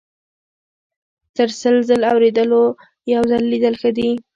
- تر سل ځل اوریدلو یو ځل لیدل ښه دي.